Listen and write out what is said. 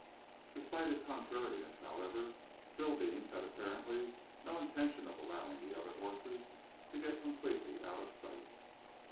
Despite his contrariness, however, Spillbeans had apparently no intention of allowing the other horses to get completely out of sight.